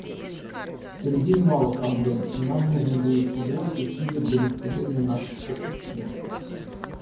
Впереди немало проблем, и нам нужно будет удвоить усилия для достижения наших общих целей.